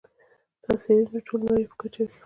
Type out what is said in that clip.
دا څېړنه د ټولې نړۍ په کچه وه.